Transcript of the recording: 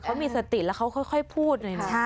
เขามีสติแล้วค่อยพูด